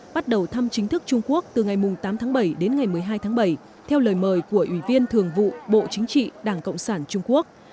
bắt đầu thăm chính thức trung quốc từ ngày tám tháng bảy đến ngày một mươi hai tháng bảy theo lời mời của ủy viên thường vụ bộ chính trị đảng cộng sản trung quốc